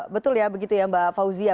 betul ya begitu ya mbak fauzia